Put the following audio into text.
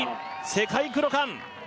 世界クロカン